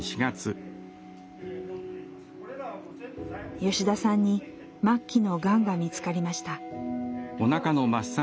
吉田さんに末期のがんが見つかりました。